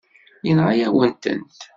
Yenɣa-yawen-tent.